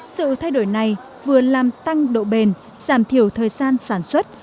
sự thay đổi này vừa làm tăng độ bền giảm thiểu thời gian sản xuất